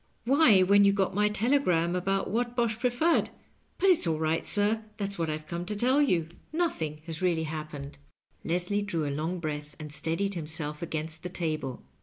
" Why, when you got my telegram about Whatbosh Preferred. But it's all right, sir. That's what I've come to tell you. Nothing has really happened." Digitized by VjOOQIC 220 LOVE AND ZiaffTNING. Leslie drew a long breath, and steadied himself against the table.